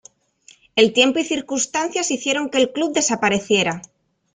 El tiempo y circunstancias hicieron que el club desapareciera.